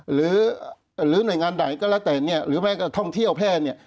หรือหน่วยงานใดก็แล้วแต่เนี่ยหรือแม้กระทั่งท่องเที่ยวแพทย์เนี่ย